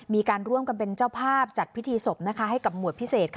มีการร่วมกันเป็นเจ้าภาพจัดพิธีศพให้กับหมวดพิเศษ